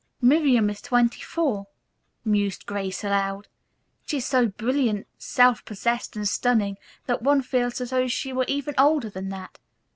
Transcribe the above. "Miriam is twenty four," mused Grace aloud. "She is so brilliant, self possessed and stunning that one feels as though she were even older than that.